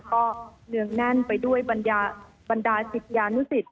ก็เนืองแน่นไปด้วยบรรดาศิษยานุสิต